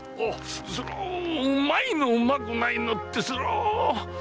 それはうまいのうまくないのって。